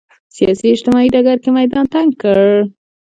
سیاسي اجتماعي ډګر کې میدان تنګ کړ